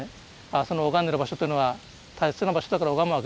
その拝んでる場所というのは大切な場所だから拝むわけですよね。